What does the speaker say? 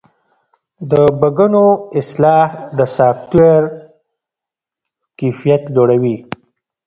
د بګونو اصلاح د سافټویر کیفیت لوړوي.